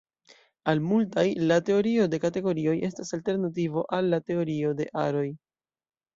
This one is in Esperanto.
Al multaj, la teorio de kategorioj estas alternativo al la teorio de aroj.